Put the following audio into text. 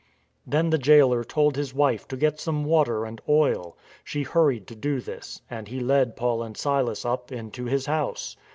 Then the jailer told his wife to get some water and oil. She hurried to do this, and he led Paul and Silas up into his house.